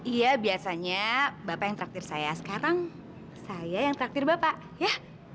iya biasanya bapak yang terakhir saya sekarang saya yang terakhir bapak ya